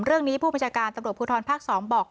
ผู้บัญชาการตำรวจภูทรภาค๒บอก